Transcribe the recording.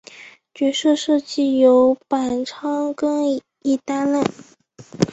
角色设计由板仓耕一担当。